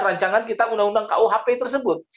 rancangan kita undang undang kuhp tersebut